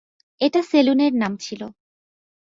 এটা সেলুনের নাম ছিল।